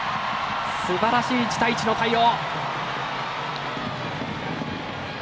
すばらしい１対１の対応！